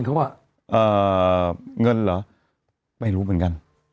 คือตอนบินนะเกี่ยวด้วยกระ๑๙๙๘